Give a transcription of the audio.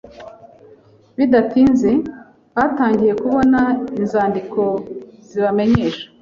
Bidatinze, batangiye kubona inzandiko zibamenyesha